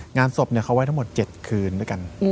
งานศพเขาไว้ทั้งหมด๗คืนด้วยกัน